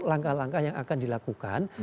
langkah langkah yang akan dilakukan